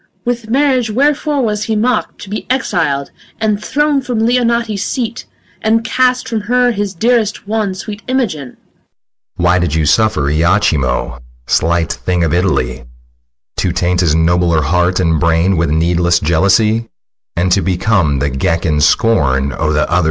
MOTHER. With marriage wherefore was he mock'd, To be exil'd and thrown From Leonati seat and cast From her his dearest one, Sweet Imogen? SICILIUS. Why did you suffer Iachimo, Slight thing of Italy, To taint his nobler heart and brain With needless jealousy, And to become the geck and scorn O' th' other's villainy? SECOND BROTHER.